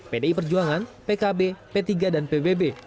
pdi perjuangan pkb p tiga dan pbb